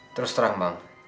terus terang bang